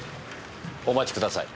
お待ちください。